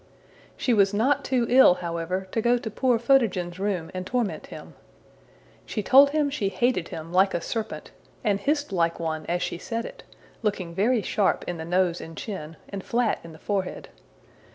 She was not too ill, however, to go to poor Photogen's room and torment him. She told him she hated him like a serpent, and hissed like one as she said it, looking very sharp in the nose and chin, and flat in the forehead.